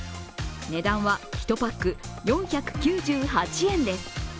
値段は１パック４９８円です。